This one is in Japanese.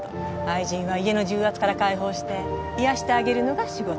愛人は家の重圧から解放していやしてあげるのが仕事。